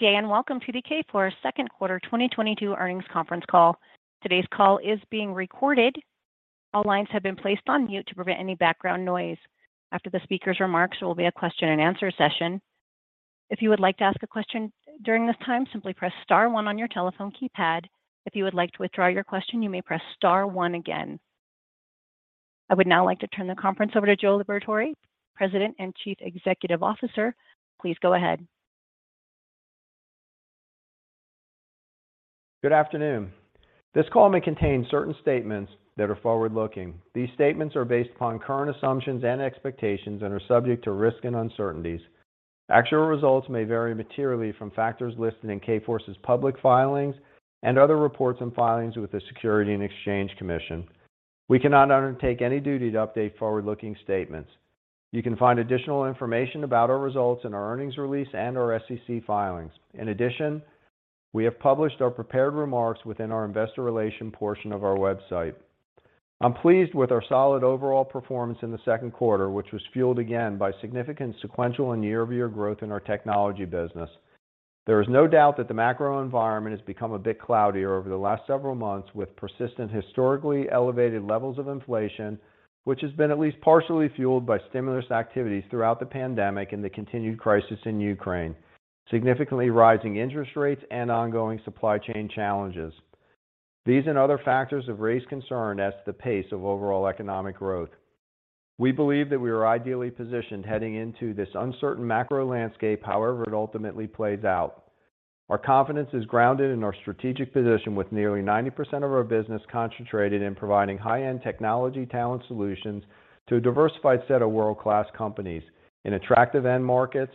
Good day and welcome to the Kforce second quarter 2022 earnings conference call. Today's call is being recorded. All lines have been placed on mute to prevent any background noise. After the speaker's remarks, there will be a question and answer session. If you would like to ask a question during this time, simply press star one on your telephone keypad. If you would like to withdraw your question, you may press star one again. I would now like to turn the conference over to Joe Liberatore, President and Chief Executive Officer. Please go ahead. Good afternoon. This call may contain certain statements that are forward-looking. These statements are based upon current assumptions and expectations and are subject to risk and uncertainties. Actual results may vary materially from factors listed in Kforce's public filings and other reports and filings with the Securities and Exchange Commission. We cannot undertake any duty to update forward-looking statements. You can find additional information about our results in our earnings release and our SEC filings. In addition, we have published our prepared remarks within our investor relations portion of our website. I'm pleased with our solid overall performance in the second quarter, which was fueled again by significant sequential and year-over-year growth in our technology business. There is no doubt that the macro environment has become a bit cloudier over the last several months with persistent historically elevated levels of inflation, which has been at least partially fueled by stimulus activities throughout the pandemic and the continued crisis in Ukraine, significantly rising interest rates, and ongoing supply chain challenges. These and other factors have raised concern as to the pace of overall economic growth. We believe that we are ideally positioned heading into this uncertain macro landscape however it ultimately plays out. Our confidence is grounded in our strategic position with nearly 90% of our business concentrated in providing high-end technology talent solutions to a diversified set of world-class companies in attractive end markets,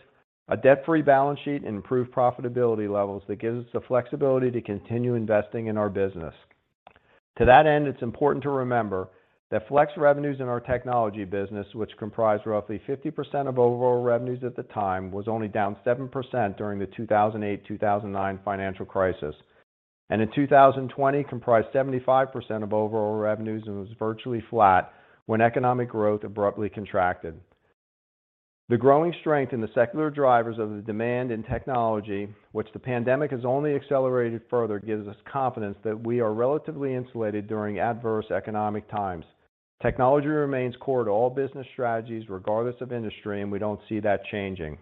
a debt-free balance sheet, and improved profitability levels that gives us the flexibility to continue investing in our business. To that end, it's important to remember that flex revenues in our technology business, which comprised roughly 50% of overall revenues at the time, was only down 7% during the 2008-2009 financial crisis. In 2020, comprised 75% of overall revenues and was virtually flat when economic growth abruptly contracted. The growing strength in the secular drivers of the demand in technology, which the pandemic has only accelerated further, gives us confidence that we are relatively insulated during adverse economic times. Technology remains core to all business strategies regardless of industry, and we don't see that changing.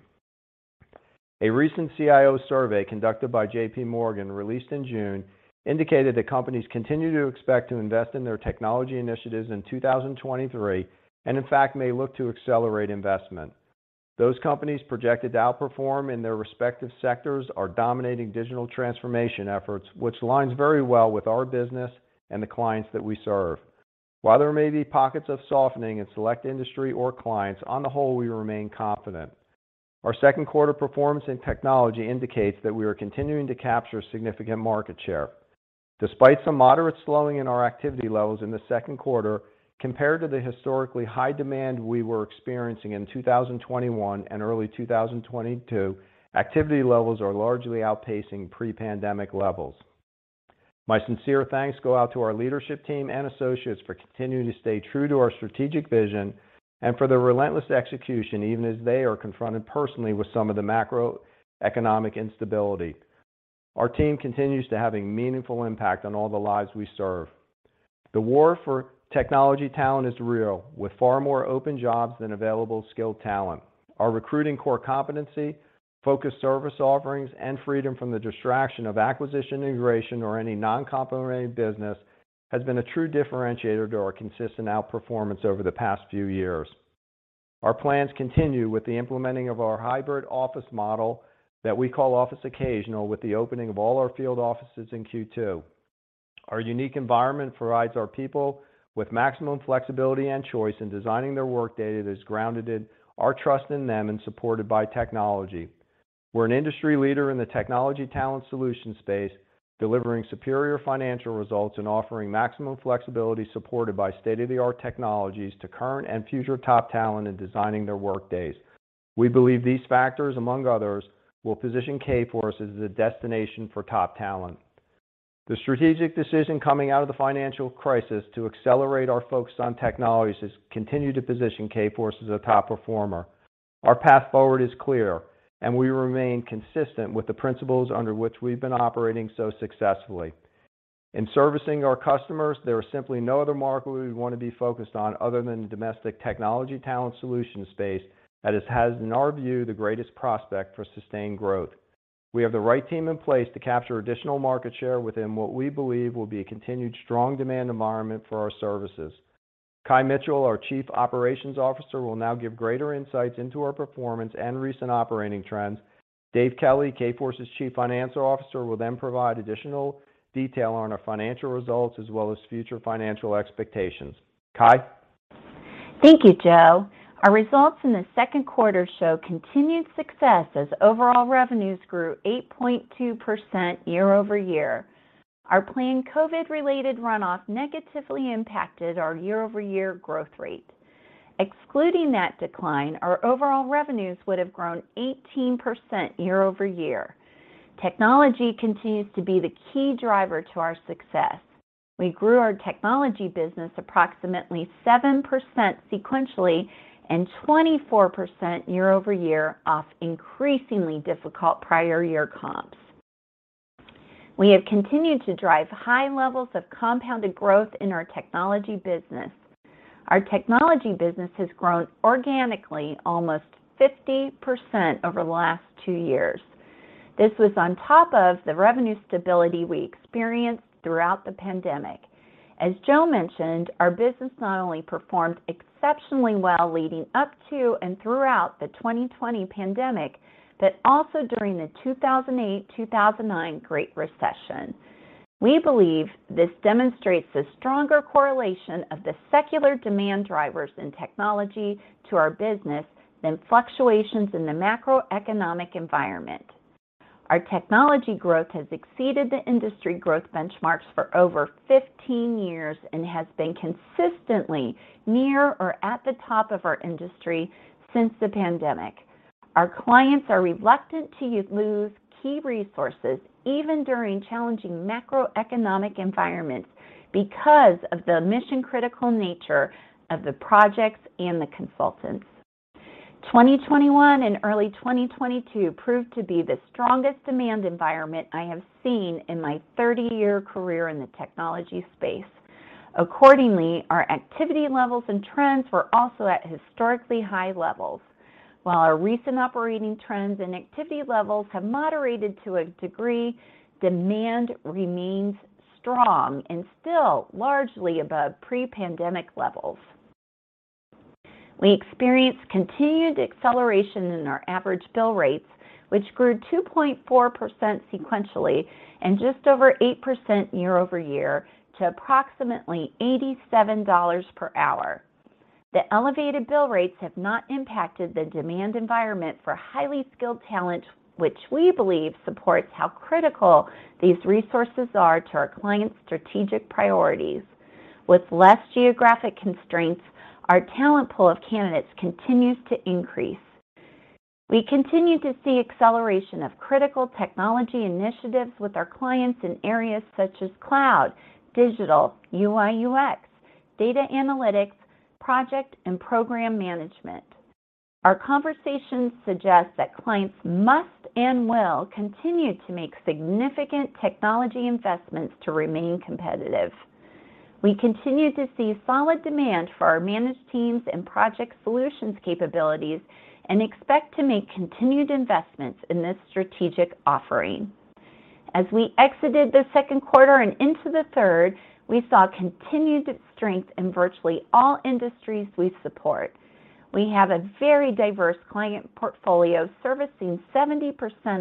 A recent CIO survey conducted by JPMorgan released in June indicated that companies continue to expect to invest in their technology initiatives in 2023 and, in fact, may look to accelerate investment. Those companies projected to outperform in their respective sectors are dominating digital transformation efforts, which aligns very well with our business and the clients that we serve. While there may be pockets of softening in select industry or clients, on the whole, we remain confident. Our second quarter performance in technology indicates that we are continuing to capture significant market share. Despite some moderate slowing in our activity levels in the second quarter compared to the historically high demand we were experiencing in 2021 and early 2022, activity levels are largely outpacing pre-pandemic levels. My sincere thanks go out to our leadership team and associates for continuing to stay true to our strategic vision and for their relentless execution, even as they are confronted personally with some of the macroeconomic instability. Our team continues to have a meaningful impact on all the lives we serve. The war for technology talent is real, with far more open jobs than available skilled talent. Our recruiting core competency, focused service offerings, and freedom from the distraction of acquisition integration or any non-complementary business has been a true differentiator to our consistent outperformance over the past few years. Our plans continue with the implementing of our hybrid office model that we call Office Occasional with the opening of all our field offices in Q2. Our unique environment provides our people with maximum flexibility and choice in designing their workday that is grounded in our trust in them and supported by technology. We're an industry leader in the technology talent solution space, delivering superior financial results and offering maximum flexibility supported by state-of-the-art technologies to current and future top talent in designing their workdays. We believe these factors, among others, will position Kforce as a destination for top talent. The strategic decision coming out of the financial crisis to accelerate our focus on technologies has continued to position Kforce as a top performer. Our path forward is clear, and we remain consistent with the principles under which we've been operating so successfully. In servicing our customers, there is simply no other market we want to be focused on other than the domestic technology talent solution space that has, in our view, the greatest prospect for sustained growth. We have the right team in place to capture additional market share within what we believe will be a continued strong demand environment for our services. Kye Mitchell, our Chief Operations Officer, will now give greater insights into our performance and recent operating trends. David Kelly, Kforce's Chief Financial Officer, will then provide additional detail on our financial results as well as future financial expectations. Kye? Thank you, Joe. Our results in the second quarter show continued success as overall revenues grew 8.2% year-over-year. Our planned COVID-related runoff negatively impacted our year-over-year growth rate. Excluding that decline, our overall revenues would have grown 18% year-over-year. Technology continues to be the key driver to our success. We grew our technology business approximately 7% sequentially and 24% year-over-year off increasingly difficult prior year comps. We have continued to drive high levels of compounded growth in our technology business. Our technology business has grown organically almost 50% over the last two years. This was on top of the revenue stability we experienced throughout the pandemic. As Joe mentioned, our business not only performed exceptionally well leading up to and throughout the 2020 pandemic, but also during the 2008, 2009 Great Recession. We believe this demonstrates a stronger correlation of the secular demand drivers in technology to our business than fluctuations in the macroeconomic environment. Our technology growth has exceeded the industry growth benchmarks for over 15 years and has been consistently near or at the top of our industry since the pandemic. Our clients are reluctant to lose key resources even during challenging macroeconomic environments because of the mission-critical nature of the projects and the consultants. 2021 and early 2022 proved to be the strongest demand environment I have seen in my 30-year career in the technology space. Accordingly, our activity levels and trends were also at historically high levels. While our recent operating trends and activity levels have moderated to a degree, demand remains strong and still largely above pre-pandemic levels. We experienced continued acceleration in our average bill rates, which grew 2.4% sequentially and just over 8% year-over-year to approximately $87 per hour. The elevated bill rates have not impacted the demand environment for highly skilled talent, which we believe supports how critical these resources are to our clients' strategic priorities. With less geographic constraints, our talent pool of candidates continues to increase. We continue to see acceleration of critical technology initiatives with our clients in areas such as cloud, digital, UI/UX, data analytics, project and program management. Our conversations suggest that clients must and will continue to make significant technology investments to remain competitive. We continue to see solid demand for our managed teams and Project Solution's capabilities and expect to make continued investments in this strategic offering. As we exited the second quarter and into the third, we saw continued strength in virtually all industries we support. We have a very diverse client portfolio servicing 70%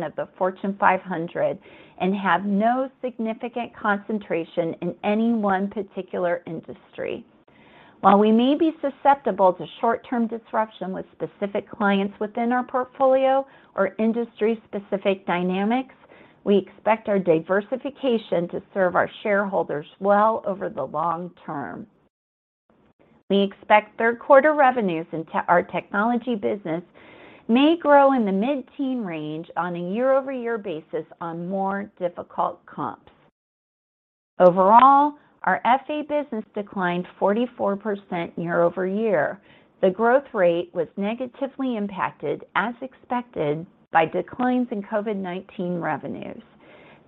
of the Fortune 500 and have no significant concentration in any one particular industry. While we may be susceptible to short-term disruption with specific clients within our portfolio or industry-specific dynamics, we expect our diversification to serve our shareholders well over the long term. We expect third quarter revenues into our technology business may grow in the mid-teen range on a year-over-year basis on more difficult comps. Overall, our FA business declined 44% year-over-year. The growth rate was negatively impacted, as expected, by declines in COVID-19 revenues.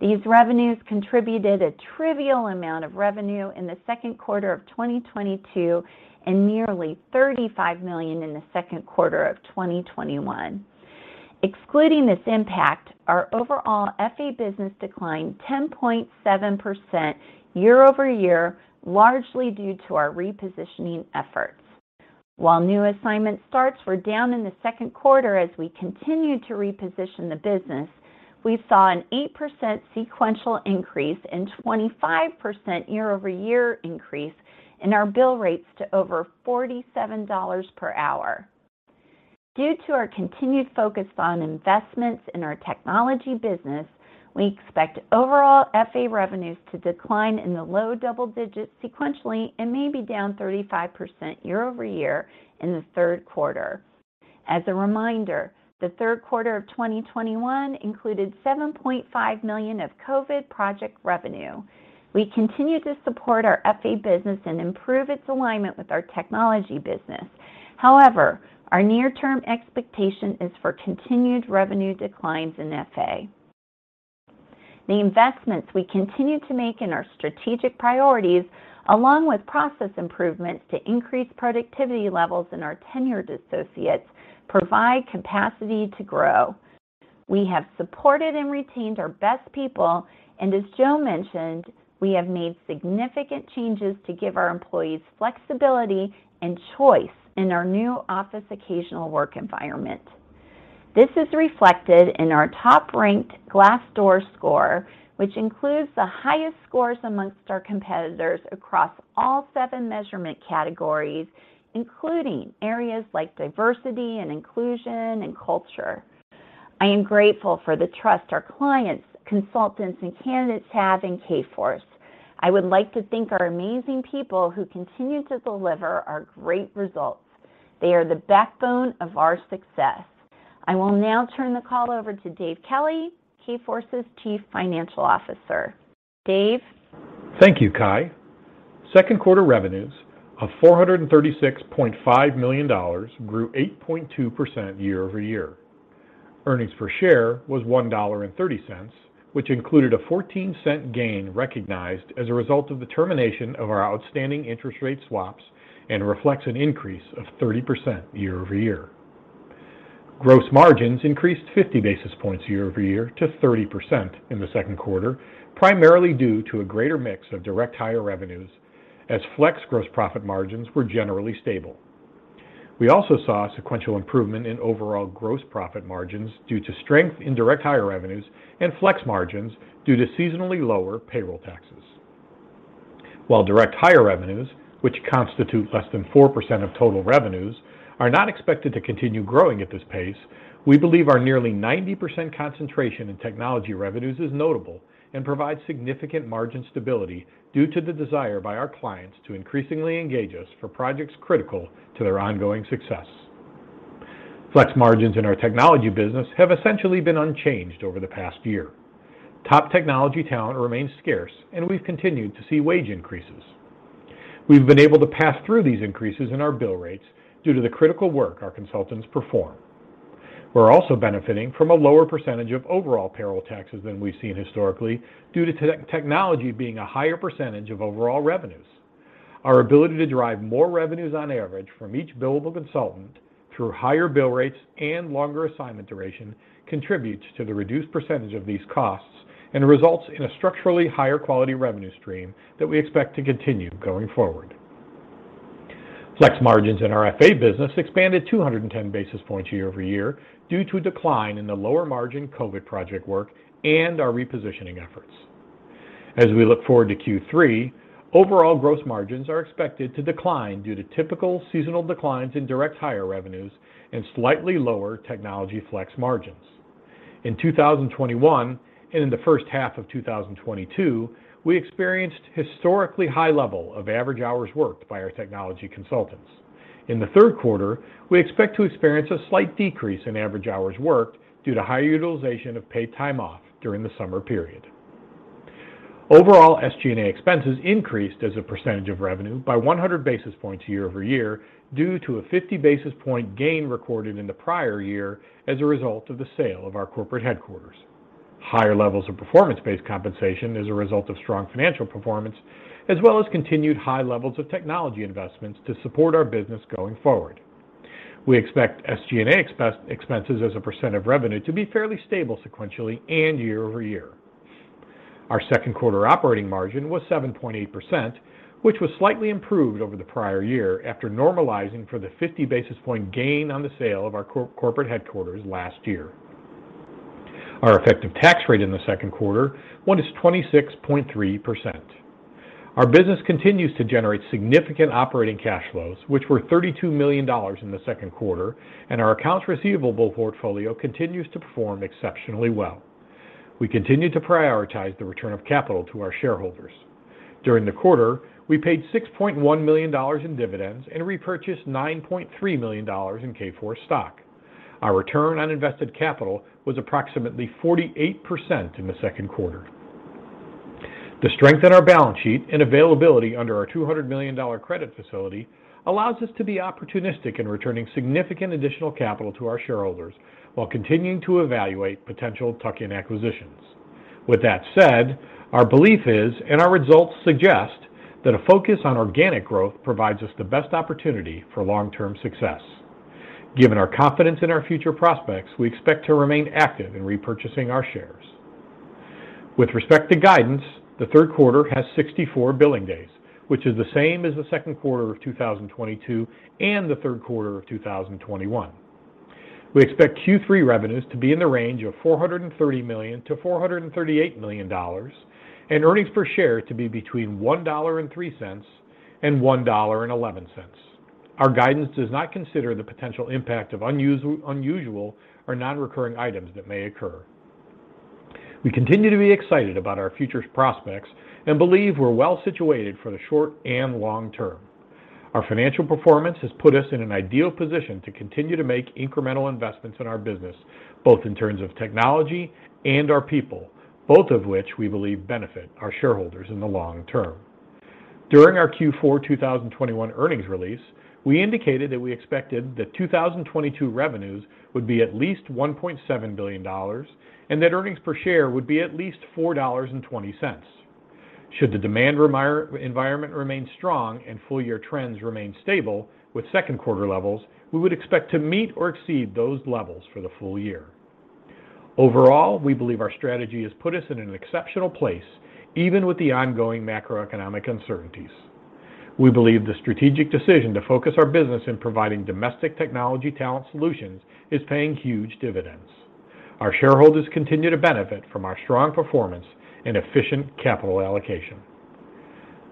These revenues contributed a trivial amount of revenue in the second quarter of 2022 and nearly $35 million in the second quarter of 2021. Excluding this impact, our overall FA business declined 10.7% year-over-year, largely due to our repositioning efforts. While new assignment starts were down in the second quarter as we continued to reposition the business, we saw an 8% sequential increase and 25% year-over-year increase in our bill rates to over $47 per hour. Due to our continued focus on investments in our technology business, we expect overall FA revenues to decline in the low double digits sequentially and may be down 35% year-over-year in the third quarter. As a reminder, the third quarter of 2021 included $7.5 million of COVID project revenue. We continue to support our FA business and improve its alignment with our technology business. However, our near-term expectation is for continued revenue declines in FA. The investments we continue to make in our strategic priorities, along with process improvements to increase productivity levels in our tenured associates, provide capacity to grow. We have supported and retained our best people, and as Joe mentioned, we have made significant changes to give our employees flexibility and choice in our new Office Occasional work environment. This is reflected in our top-ranked Glassdoor score, which includes the highest scores amongst our competitors across all seven measurement categories, including areas like diversity and inclusion and culture. I am grateful for the trust our clients, consultants, and candidates have in Kforce. I would like to thank our amazing people who continue to deliver our great results. They are the backbone of our success. I will now turn the call over to Dave Kelly, Kforce's Chief Financial Officer. Dave? Thank you, Kye. Second quarter revenues of $436.5 million grew 8.2% year-over-year. Earnings per share was $1.30, which included a $0.14 gain recognized as a result of the termination of our outstanding interest rate swaps and reflects an increase of 30% year-over-year. Gross margins increased 50 basis points year-over-year to 30% in the second quarter, primarily due to a greater mix of direct hire revenues as flex gross profit margins were generally stable. We also saw a sequential improvement in overall gross profit margins due to strength in direct hire revenues and flex margins due to seasonally lower payroll taxes. While direct hire revenues, which constitute less than 4% of total revenues, are not expected to continue growing at this pace, we believe our nearly 90% concentration in technology revenues is notable and provides significant margin stability due to the desire by our clients to increasingly engage us for projects critical to their ongoing success. Flex margins in our technology business have essentially been unchanged over the past year. Top technology talent remains scarce, and we've continued to see wage increases. We've been able to pass through these increases in our bill rates due to the critical work our consultants perform. We're also benefiting from a lower percentage of overall payroll taxes than we've seen historically due to technology being a higher percentage of overall revenues. Our ability to derive more revenues on average from each billable consultant through higher bill rates and longer assignment duration contributes to the reduced percentage of these costs and results in a structurally higher quality revenue stream that we expect to continue going forward. Flex margins in our FA business expanded 210 basis points year-over-year due to a decline in the lower margin COVID project work and our repositioning efforts. As we look forward to Q3, overall gross margins are expected to decline due to typical seasonal declines in direct hire revenues and slightly lower technology flex margins. In 2021, and in the first half of 2022, we experienced historically high level of average hours worked by our technology consultants. In the third quarter, we expect to experience a slight decrease in average hours worked due to high utilization of paid time off during the summer period. Overall, SG&A expenses increased as a percentage of revenue by 100 basis points year-over-year due to a 50 basis point gain recorded in the prior year as a result of the sale of our corporate headquarters. Higher levels of performance-based compensation as a result of strong financial performance, as well as continued high levels of technology investments to support our business going forward. We expect SG&A expenses as a percent of revenue to be fairly stable sequentially and year-over-year. Our second quarter operating margin was 7.8%, which was slightly improved over the prior year after normalizing for the 50 basis point gain on the sale of our corporate headquarters last year. Our effective tax rate in the second quarter was 26.3%. Our business continues to generate significant operating cash flows, which were $32 million in the second quarter, and our accounts receivable portfolio continues to perform exceptionally well. We continue to prioritize the return of capital to our shareholders. During the quarter, we paid $6.1 million in dividends and repurchased $9.3 million in Kforce stock. Our return on invested capital was approximately 48% in the second quarter. The strength in our balance sheet and availability under our $200 million credit facility allows us to be opportunistic in returning significant additional capital to our shareholders while continuing to evaluate potential tuck-in acquisitions. With that said, our belief is, and our results suggest, that a focus on organic growth provides us the best opportunity for long-term success. Given our confidence in our future prospects, we expect to remain active in repurchasing our shares. With respect to guidance, the third quarter has 64 billing days, which is the same as the second quarter of 2022 and the third quarter of 2021. We expect Q3 revenues to be in the range of $430 million-$438 million, and earnings per share to be between $1.03 and $1.11. Our guidance does not consider the potential impact of unusual or non-recurring items that may occur. We continue to be excited about our future prospects and believe we're well-situated for the short and long term. Our financial performance has put us in an ideal position to continue to make incremental investments in our business, both in terms of technology and our people, both of which we believe benefit our shareholders in the long term. During our Q4 2021 earnings release, we indicated that we expected that 2022 revenues would be at least $1.7 billion and that earnings per share would be at least $4.20. Should the demand environment remain strong and full year trends remain stable with second quarter levels, we would expect to meet or exceed those levels for the full year. Overall, we believe our strategy has put us in an exceptional place, even with the ongoing macroeconomic uncertainties. We believe the strategic decision to focus our business in providing domestic technology talent solutions is paying huge dividends. Our shareholders continue to benefit from our strong performance and efficient capital allocation.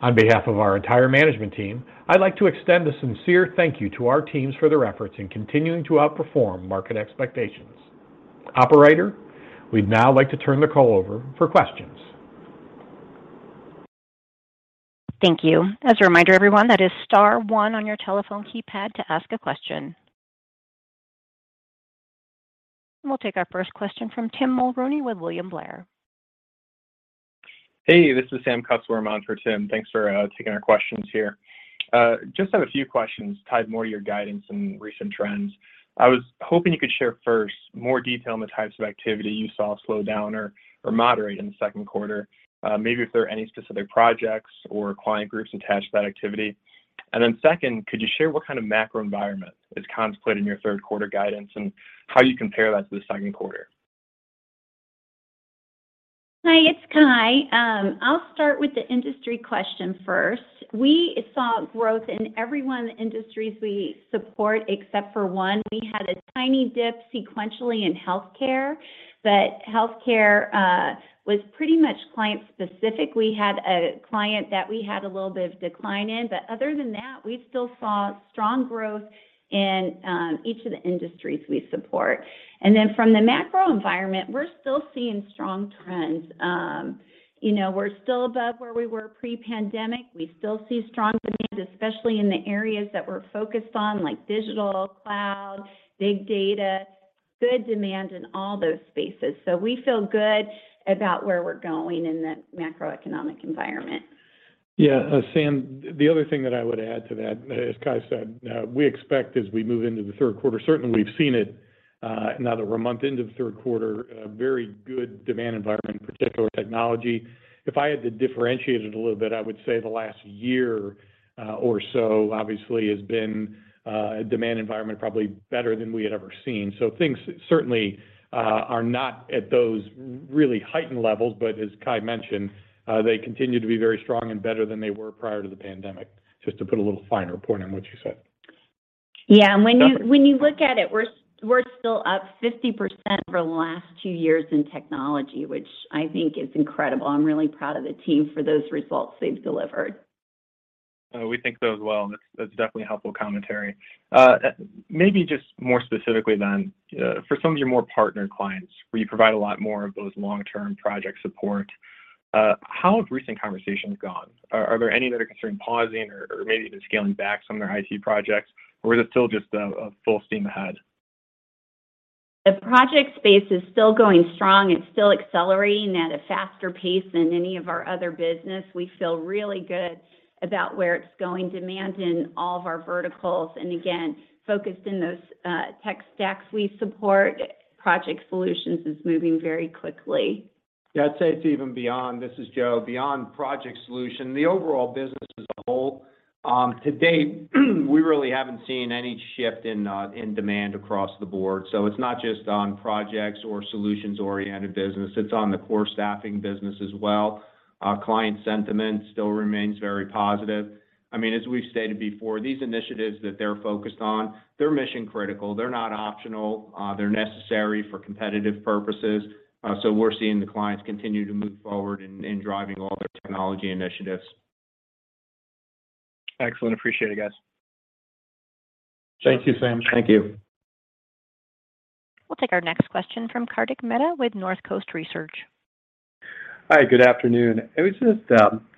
On behalf of our entire management team, I'd like to extend a sincere thank you to our teams for their efforts in continuing to outperform market expectations. Operator, we'd now like to turn the call over for questions. Thank you. As a reminder everyone, that is star one on your telephone keypad to ask a question. We'll take our first question from Tim Mulrooney with William Blair. Hey, this is Sam Kusswurm. I'm on for Tim. Thanks for taking our questions here. Just have a few questions tied more to your guidance and recent trends. I was hoping you could share first more detail on the types of activity you saw slow down or moderate in the second quarter, maybe if there are any specific projects or client groups attached to that activity. Second, could you share what kind of macro environment is contemplated in your third quarter guidance and how you compare that to the second quarter? Hi, it's Kye. I'll start with the industry question first. We saw growth in every one of the industries we support except for one. We had a tiny dip sequentially in healthcare, but healthcare was pretty much client-specific. We had a client that we had a little bit of decline in, but other than that, we still saw strong growth in each of the industries we support. From the macro environment, we're still seeing strong trends. You know, we're still above where we were pre-pandemic. We still see strong demand, especially in the areas that we're focused on, like digital, cloud, big data, good demand in all those spaces. We feel good about where we're going in the macroeconomic environment. Yeah. Sam, the other thing that I would add to that, as Kye said, we expect as we move into the third quarter, certainly we've seen it, now that we're a month into the third quarter, a very good demand environment, particularly technology. If I had to differentiate it a little bit, I would say the last year or so obviously has been a demand environment probably better than we had ever seen. Things certainly are not at those really heightened levels, but as Kye mentioned, they continue to be very strong and better than they were prior to the pandemic. Just to put a little finer point on what you said. Yeah. When you look at it, we're still up 50% over the last two years in technology, which I think is incredible. I'm really proud of the team for those results they've delivered. We think so as well, and that's definitely helpful commentary. Maybe just more specifically then, for some of your more partner clients where you provide a lot more of those long-term project support, how have recent conversations gone? Are there any that are considering pausing or maybe even scaling back some of their IT projects? Is it still just a full steam ahead? The project space is still going strong. It's still accelerating at a faster pace than any of our other business. We feel really good about where it's going, demand in all of our verticals, and again, focused in those tech stacks we support. Project Solutions is moving very quickly. Yeah. I'd say it's even beyond, this is Joe, beyond Project Solution, the overall business as a whole, to date, we really haven't seen any shift in demand across the board. It's not just on projects or solutions-oriented business, it's on the core staffing business as well. Our client sentiment still remains very positive. I mean, as we've stated before, these initiatives that they're focused on, they're mission critical. They're not optional. They're necessary for competitive purposes. We're seeing the clients continue to move forward in driving all their technology initiatives. Excellent. Appreciate it, guys. Thank you, Sam. Thank you. We'll take our next question from Kartik Mehta with Northcoast Research. Hi, good afternoon. I was just,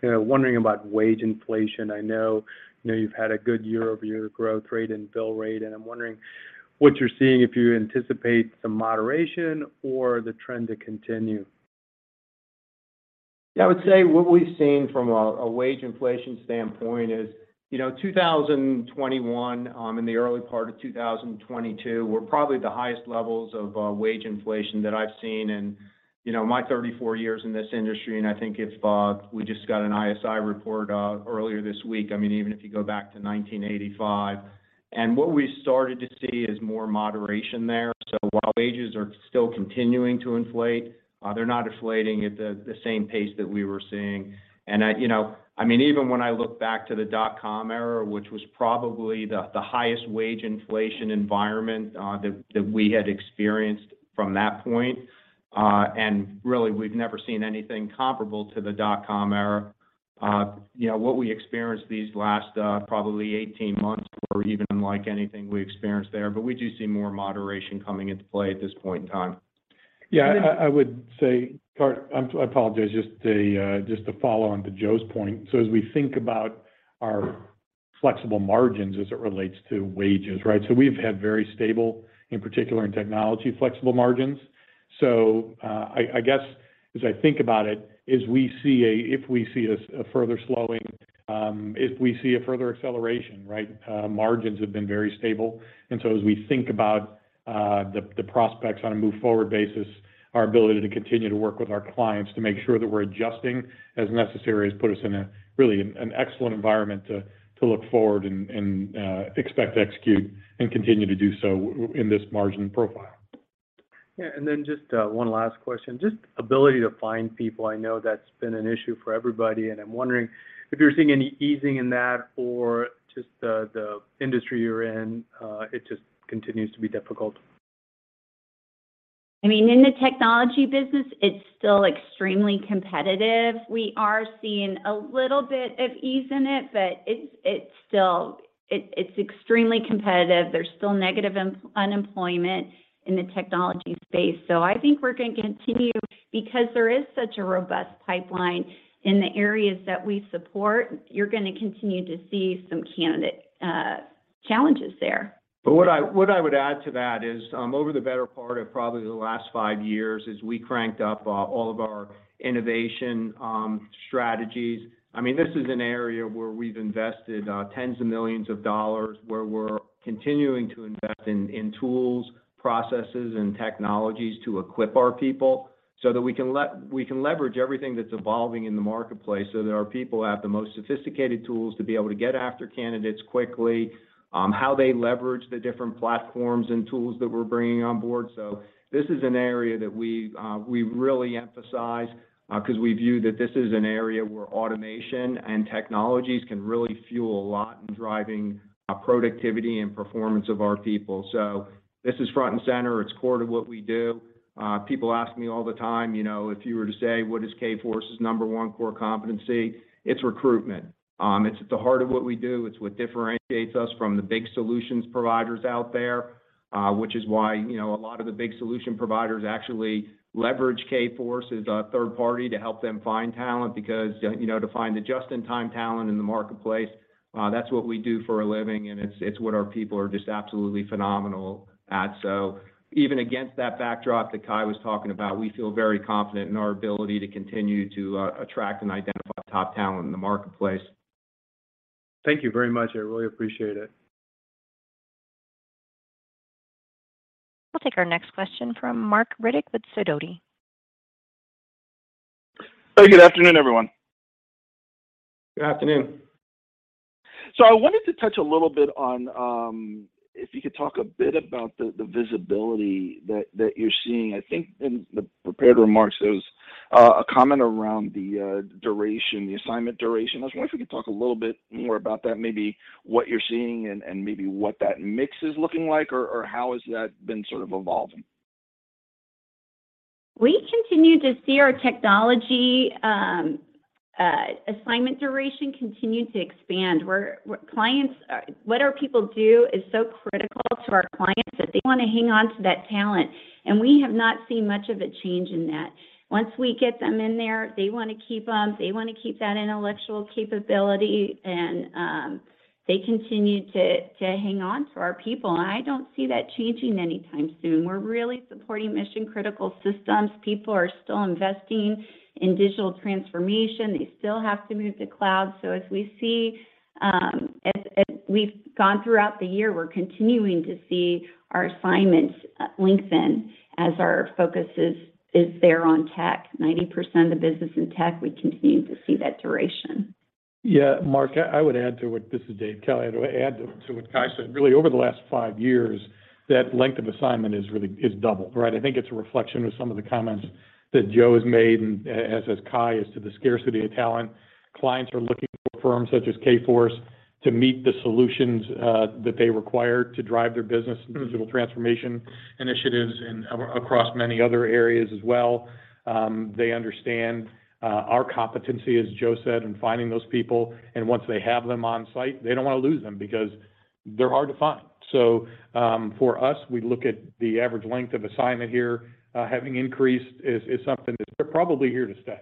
you know, wondering about wage inflation. I know, you know, you've had a good year-over-year growth rate and bill rate, and I'm wondering what you're seeing, if you anticipate some moderation or the trend to continue. Yeah. I would say what we've seen from a wage inflation standpoint is, you know, 2021 and the early part of 2022 were probably the highest levels of wage inflation that I've seen in, you know, my 34 years in this industry. I think we just got an ISI report earlier this week. I mean, even if you go back to 1985. What we started to see is more moderation there. While wages are still continuing to inflate, they're not inflating at the same pace that we were seeing. I, you know, I mean, even when I look back to the dot-com era, which was probably the highest wage inflation environment that we had experienced from that point, and really we've never seen anything comparable to the dot-com era. You know, what we experienced these last, probably 18 months were even unlike anything we experienced there. We do see more moderation coming into play at this point in time. Yeah. I would say, I apologize, just to follow on to Joe's point. As we think about our flexible margins as it relates to wages, right? We've had very stable, in particular in technology, flexible margins. I guess as I think about it, if we see a further slowing, if we see a further acceleration, right? Margins have been very stable. As we think about the prospects on a move forward basis, our ability to continue to work with our clients to make sure that we're adjusting as necessary has put us in a really an excellent environment to look forward and expect to execute and continue to do so in this margin profile. Yeah. Just, one last question. Just ability to find people, I know that's been an issue for everybody, and I'm wondering if you're seeing any easing in that or just the industry you're in, it just continues to be difficult. I mean, in the technology business, it's still extremely competitive. We are seeing a little bit of ease in it, but it's extremely competitive. There's still negative unemployment in the technology space. I think we're gonna continue because there is such a robust pipeline in the areas that we support. You're gonna continue to see some candidate challenges there. What I would add to that is, over the better part of probably the last five years, as we cranked up all of our innovation strategies. I mean, this is an area where we've invested tens of millions of dollars, where we're continuing to invest in tools, processes, and technologies to equip our people so that we can leverage everything that's evolving in the marketplace so that our people have the most sophisticated tools to be able to get after candidates quickly, how they leverage the different platforms and tools that we're bringing on board. This is an area that we really emphasize, because we view that this is an area where automation and technologies can really fuel a lot in driving productivity and performance of our people. This is front and center, it's core to what we do. People ask me all the time, you know, if you were to say, what is Kforce's number one core competency? It's recruitment. It's at the heart of what we do. It's what differentiates us from the big solutions providers out there, which is why, you know, a lot of the big solution providers actually leverage Kforce as a third party to help them find talent because, you know, to find the just in time talent in the marketplace, that's what we do for a living, and it's what our people are just absolutely phenomenal at. Even against that backdrop that Kye was talking about, we feel very confident in our ability to continue to attract and identify top talent in the marketplace. Thank you very much. I really appreciate it. We'll take our next question from Marc Riddick with Sidoti & Company. Good afternoon, everyone. Good afternoon. I wanted to touch a little bit on if you could talk a bit about the visibility that you're seeing. I think in the prepared remarks, there was a comment around the duration, the assignment duration. I was wondering if you could talk a little bit more about that, maybe what you're seeing and maybe what that mix is looking like or how has that been sort of evolving? We continue to see our technology assignment duration continue to expand. What our people do is so critical to our clients that they wanna hang on to that talent, and we have not seen much of a change in that. Once we get them in there, they wanna keep them, they wanna keep that intellectual capability and they continue to hang on to our people. I don't see that changing anytime soon. We're really supporting mission-critical systems. People are still investing in digital transformation. They still have to move to cloud. As we've gone throughout the year, we're continuing to see our assignments lengthen as our focus is there on tech. 90% of business in tech, we continue to see that duration. Mark, I would add to what. This is David Kelly. I'd add to what Kye said. Really over the last five years, that length of assignment is really doubled, right? I think it's a reflection of some of the comments that Joe has made, and as has Kye, as to the scarcity of talent. Clients are looking for firms such as Kforce to meet the solutions that they require to drive their business and digital transformation initiatives and across many other areas as well. They understand our competency, as Joe said, in finding those people, and once they have them on site, they don't wanna lose them because they're hard to find. For us, we look at the average length of assignment here, having increased is something that's probably here to stay.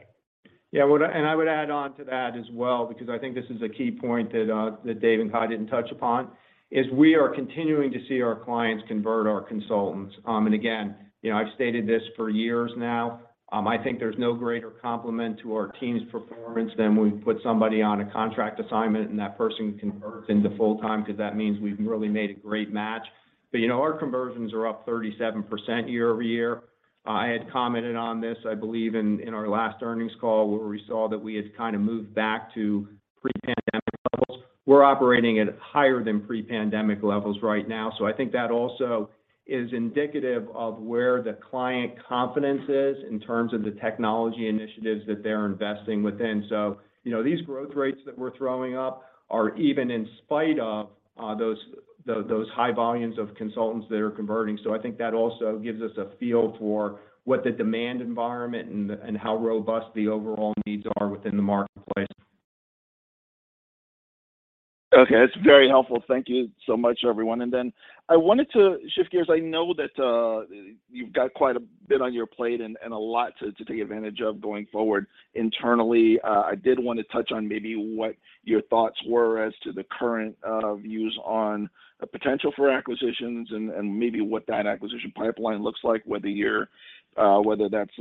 I would add on to that as well, because I think this is a key point that that Dave and Kye didn't touch upon, is we are continuing to see our clients convert our consultants. And again, you know, I've stated this for years now, I think there's no greater compliment to our team's performance than when we put somebody on a contract assignment and that person converts into full-time because that means we've really made a great match. You know, our conversions are up 37% year-over-year. I had commented on this, I believe, in our last earnings call, where we saw that we had kind of moved back to pre-pandemic levels. We're operating at higher than pre-pandemic levels right now. I think that also is indicative of where the client confidence is in terms of the technology initiatives that they're investing within. You know, these growth rates that we're throwing up are even in spite of those high volumes of consultants that are converting. I think that also gives us a feel for what the demand environment and how robust the overall needs are within the marketplace. Okay. That's very helpful. Thank you so much, everyone. I wanted to shift gears. I know that you've got quite a bit on your plate and a lot to take advantage of going forward internally. I did wanna touch on maybe what your thoughts were as to the current views on a potential for acquisitions and maybe what that acquisition pipeline looks like, whether that's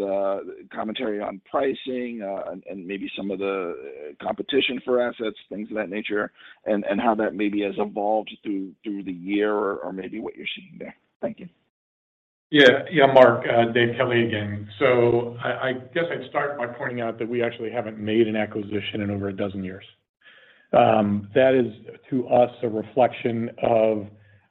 commentary on pricing and maybe some of the competition for assets, things of that nature, and how that maybe has evolved through the year or maybe what you're seeing there. Thank you. Yeah. Yeah, Mark, David Kelly again. I guess I'd start by pointing out that we actually haven't made an acquisition in over a dozen years. That is, to us, a reflection of,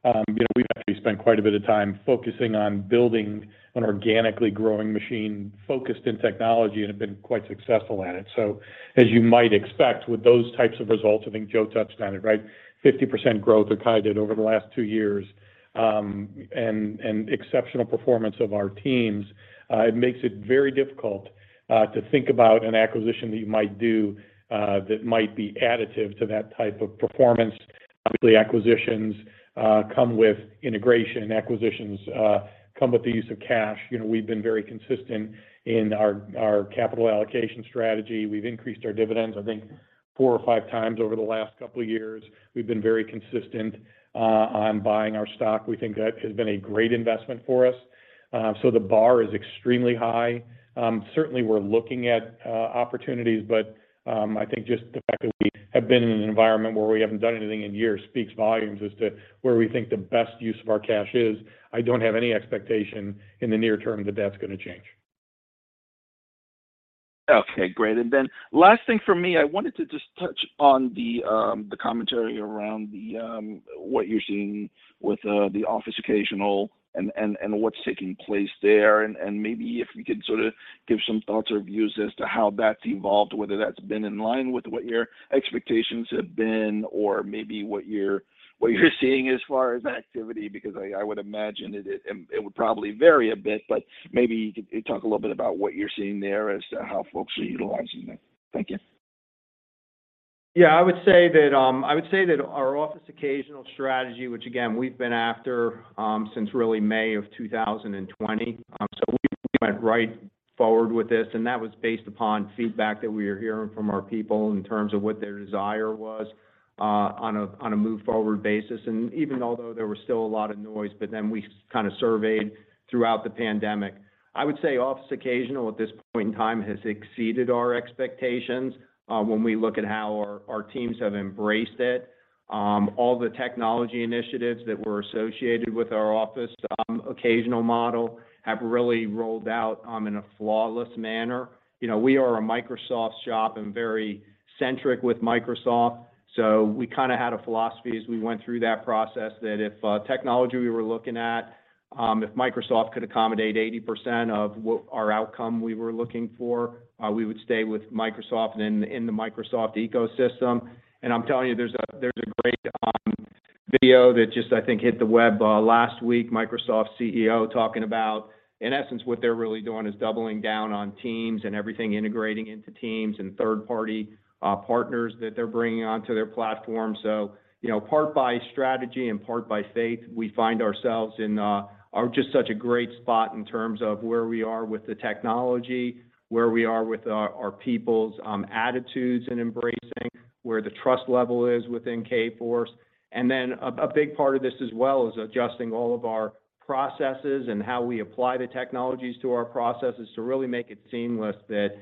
you know, we've actually spent quite a bit of time focusing on building an organically growing machine focused in technology and have been quite successful at it. As you might expect with those types of results, I think Joe touched on it, right, 50% growth like Kye did over the last two years, and exceptional performance of our teams, it makes it very difficult to think about an acquisition that you might do, that might be additive to that type of performance. Typically, acquisitions come with integration. Acquisitions come with the use of cash. You know, we've been very consistent in our capital allocation strategy. We've increased our dividends, I think four or five times over the last couple of years. We've been very consistent on buying our stock. We think that has been a great investment for us. The bar is extremely high. Certainly we're looking at opportunities, but I think just the fact that we have been in an environment where we haven't done anything in years speaks volumes as to where we think the best use of our cash is. I don't have any expectation in the near term that that's gonna change. Okay, great. Last thing for me, I wanted to just touch on the commentary around what you're seeing with the Office Occasional and what's taking place there, and maybe if you could sort of give some thoughts or views as to how that's evolved, whether that's been in line with what your expectations have been or maybe what you're seeing as far as activity. Because I would imagine it would probably vary a bit, but maybe you could talk a little bit about what you're seeing there as to how folks are utilizing that. Thank you. Yeah. I would say that our Office Occasional strategy, which again, we've been after since really May 2020. We went right forward with this, and that was based upon feedback that we were hearing from our people in terms of what their desire was on a move forward basis. Even although there was still a lot of noise, but then we kind of surveyed throughout the pandemic. I would say Office Occasional at this point in time has exceeded our expectations when we look at how our teams have embraced it. All the technology initiatives that were associated with our Office Occasional model have really rolled out in a flawless manner. You know, we are a Microsoft shop and very centric with Microsoft, so we kinda had a philosophy as we went through that process that if technology we were looking at, if Microsoft could accommodate 80% of what our outcome we were looking for, we would stay with Microsoft and in the Microsoft ecosystem. I'm telling you, there's a great video that just I think hit the web last week, Microsoft CEO talking about, in essence, what they're really doing is doubling down on Teams and everything integrating into Teams and third-party partners that they're bringing onto their platform. You know, part by strategy and part by faith, we find ourselves in just such a great spot in terms of where we are with the technology, where we are with our people's attitudes and embracing, where the trust level is within Kforce. Then a big part of this as well is adjusting all of our processes and how we apply the technologies to our processes to really make it seamless that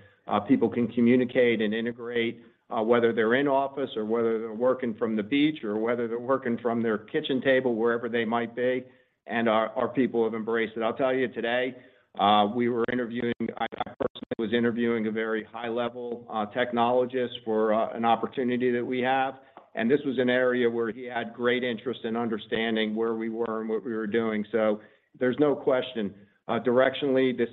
people can communicate and integrate, whether they're in office or whether they're working from the beach or whether they're working from their kitchen table, wherever they might be, and our people have embraced it. I'll tell you today, we were interviewing. I personally was interviewing a very high-level technologist for an opportunity that we have, and this was an area where he had great interest in understanding where we were and what we were doing. There's no question, directionally, this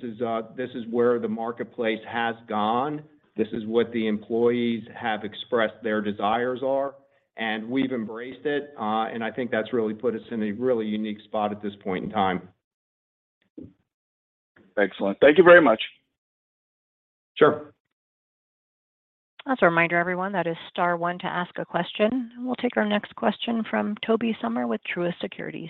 is where the marketplace has gone. This is what the employees have expressed their desires are, and we've embraced it. I think that's really put us in a really unique spot at this point in time. Excellent. Thank you very much. Sure. As a reminder, everyone, that is star one to ask a question. We'll take our next question from Tobey Sommer with Truist Securities.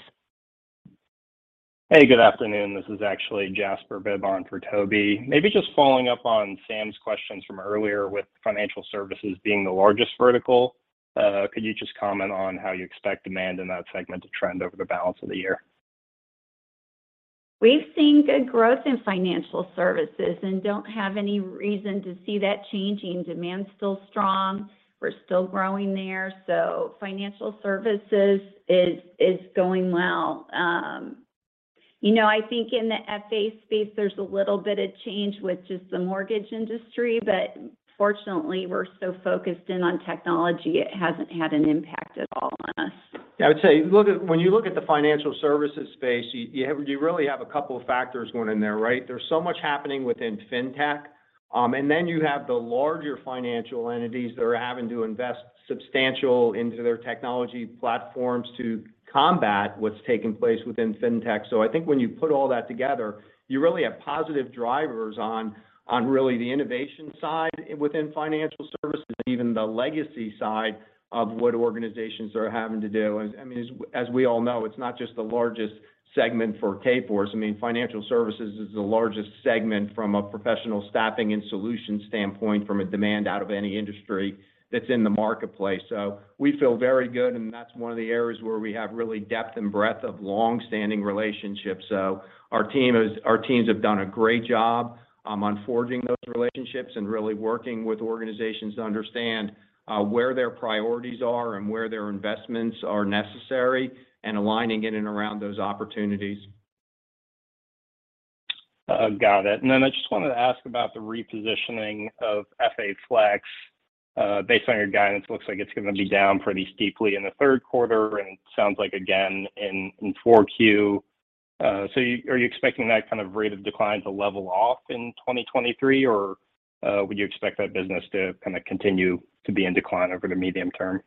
Hey, good afternoon. This is actually Jasper Bibb on for Tobey. Maybe just following up on Sam's questions from earlier with financial services being the largest vertical, could you just comment on how you expect demand in that segment to trend over the balance of the year? We've seen good growth in financial services and don't have any reason to see that changing. Demand's still strong. We're still growing there. Financial services is going well. You know, I think in the FA space, there's a little bit of change with just the mortgage industry, but fortunately, we're so focused in on technology, it hasn't had an impact at all on us. Yeah, I would say, when you look at the financial services space, you really have a couple of factors going in there, right? There's so much happening within fintech. And then you have the larger financial entities that are having to invest substantial into their technology platforms to combat what's taking place within fintech. I think when you put all that together, you really have positive drivers on really the innovation side within financial services, even the legacy side of what organizations are having to do. I mean, as we all know, it's not just the largest segment for Kforce. I mean, financial services is the largest segment from a professional staffing and solution standpoint from a demand out of any industry that's in the marketplace. We feel very good, and that's one of the areas where we have really depth and breadth of long-standing relationships. Our teams have done a great job on forging those relationships and really working with organizations to understand where their priorities are and where their investments are necessary and aligning in and around those opportunities. Got it. I just wanted to ask about the repositioning of FA Flex. Based on your guidance, looks like it's gonna be down pretty steeply in the third quarter and sounds like again in 4Q. Are you expecting that kind of rate of decline to level off in 2023, or would you expect that business to kinda continue to be in decline over the medium term?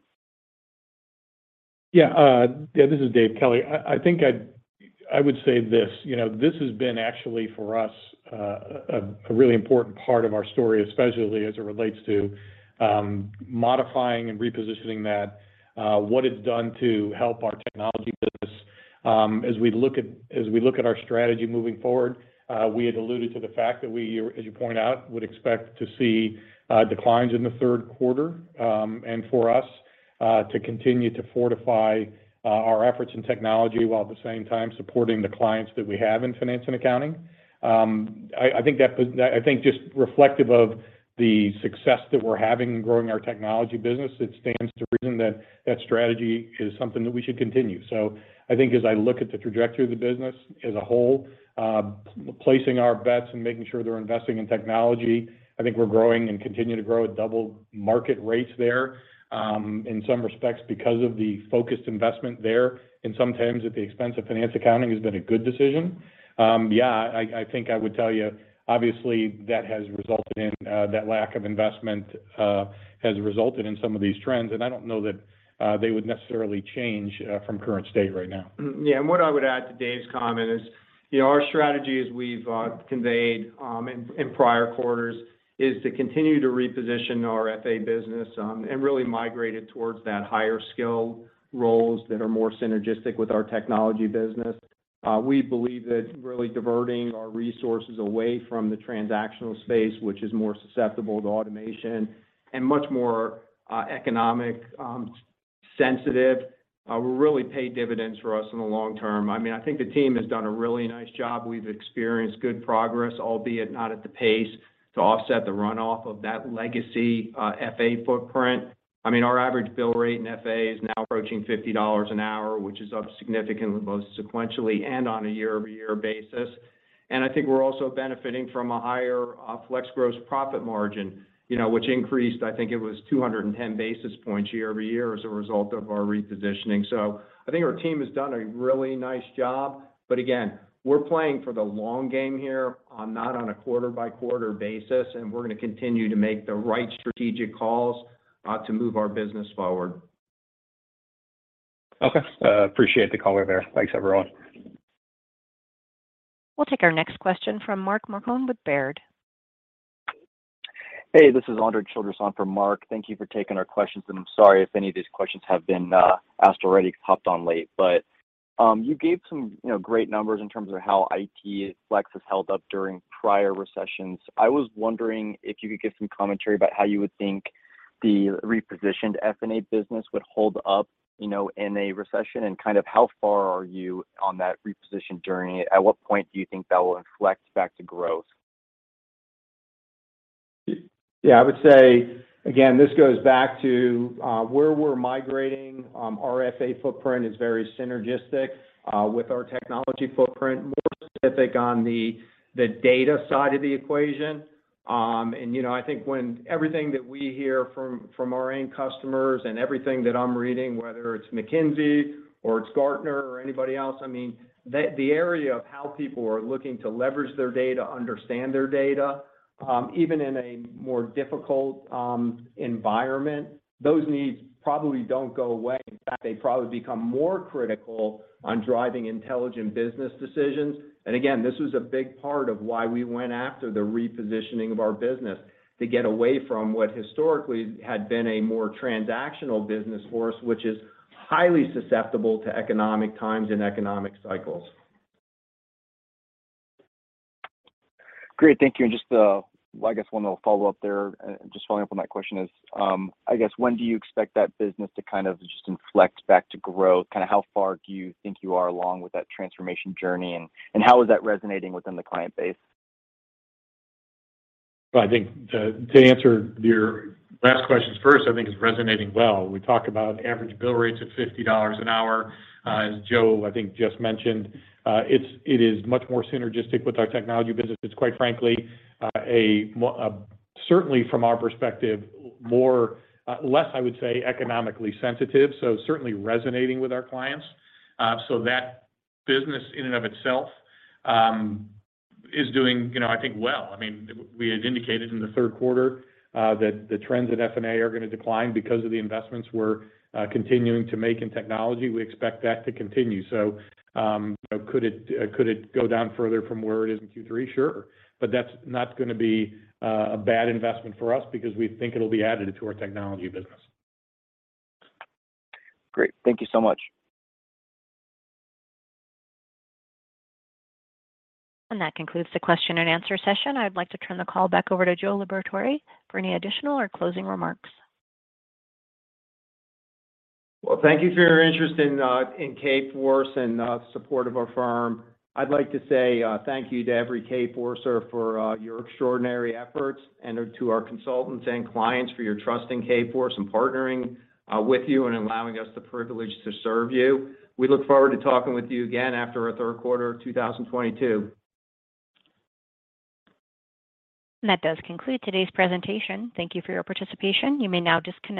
Yeah. This is David Kelly. I would say this. You know, this has been actually for us a really important part of our story, especially as it relates to modifying and repositioning that, what it's done to help our technology business. As we look at our strategy moving forward, we had alluded to the fact that we, as you point out, would expect to see declines in the third quarter. For us to continue to fortify our efforts in technology while at the same time supporting the clients that we have in finance and accounting, I think just reflective of the success that we're having in growing our technology business, it stands to reason that strategy is something that we should continue. I think as I look at the trajectory of the business as a whole, placing our bets and making sure they're investing in technology, I think we're growing and continue to grow at double market rates there, in some respects because of the focused investment there, and sometimes at the expense of Finance and Accounting has been a good decision. Yeah, I think I would tell you, obviously, that lack of investment has resulted in some of these trends, and I don't know that they would necessarily change from current state right now. Yeah. What I would add to Dave's comment is, you know, our strategy, as we've conveyed, in prior quarters, is to continue to reposition our FA business, and really migrate it towards that higher skill roles that are more synergistic with our technology business. We believe that really diverting our resources away from the transactional space, which is more susceptible to automation and much more economic sensitive, will really pay dividends for us in the long term. I mean, I think the team has done a really nice job. We've experienced good progress, albeit not at the pace to offset the runoff of that legacy FA footprint. I mean, our average bill rate in FA is now approaching $50 an hour, which is up significantly, both sequentially and on a year-over-year basis. I think we're also benefiting from a higher Flex gross profit margin, you know, which increased, I think it was 210 basis points year-over-year as a result of our repositioning. I think our team has done a really nice job. But again, we're playing for the long game here on, not on a quarter-by-quarter basis, and we're gonna continue to make the right strategic calls to move our business forward. Okay. Appreciate the color there. Thanks, everyone. We'll take our next question from Mark Marcon with Baird. Hey, this is Andre Childress on for Mark. Thank you for taking our questions, and I'm sorry if any of these questions have been asked already because I hopped on late. You gave some, you know, great numbers in terms of how IT flex has held up during prior recessions. I was wondering if you could give some commentary about how you would think the repositioned F&A business would hold up, you know, in a recession, and kind of how far are you on that reposition journey? At what point do you think that will inflect back to growth? Yeah, I would say, again, this goes back to where we're migrating. Our FA footprint is very synergistic with our technology footprint, more specific on the data side of the equation. You know, I think when everything that we hear from our end customers and everything that I'm reading, whether it's McKinsey or it's Gartner or anybody else, I mean, the area of how people are looking to leverage their data, understand their data, even in a more difficult environment, those needs probably don't go away. In fact, they probably become more critical on driving intelligent business decisions. Again, this was a big part of why we went after the repositioning of our business to get away from what historically had been a more transactional business for us, which is highly susceptible to economic times and economic cycles. Great. Thank you. Just, I guess one little follow-up there, just following up on that question is, I guess when do you expect that business to kind of just inflect back to growth? Kinda how far do you think you are along with that transformation journey, and how is that resonating within the client base? Well, I think to answer your last questions first, I think it's resonating well. We talked about average bill rates of $50 an hour. As Joe, I think, just mentioned, it is much more synergistic with our technology business. It's quite frankly, certainly from our perspective, more less, I would say, economically sensitive, so certainly resonating with our clients. So that business in and of itself is doing, you know, I think well. I mean, we had indicated in the third quarter that the trends at F&A are gonna decline because of the investments we're continuing to make in technology. We expect that to continue. Could it go down further from where it is in Q3? Sure. That's not gonna be a bad investment for us because we think it'll be additive to our technology business. Great. Thank you so much. That concludes the question and answer session. I'd like to turn the call back over to Joe Liberatore for any additional or closing remarks. Well, thank you for your interest in Kforce and support of our firm. I'd like to say thank you to every Kforcer for your extraordinary efforts and to our consultants and clients for your trust in Kforce and partnering with you and allowing us the privilege to serve you. We look forward to talking with you again after our third quarter of 2022. That does conclude today's presentation. Thank you for your participation. You may now disconnect.